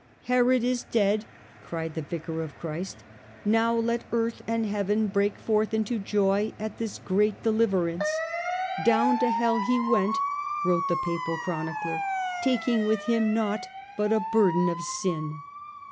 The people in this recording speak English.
" Herod is dead," cried the Vicar of Christ ;" now let earth and heaven break forth into joy at this great deliverance." " Down to hell he went," wrote the Papal chronicler, " taking with him nought but a burden of sin."